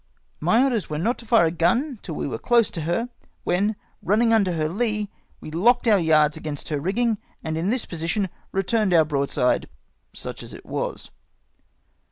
My orders were not to fire a gun till we were close to her ; when, running under her lee, we locked our yards amongst her rigging, and in this position returned our broadside, such as it was.